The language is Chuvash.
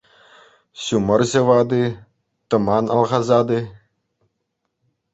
Ҫумӑр ҫӑвать-и, тӑман алхасать-и...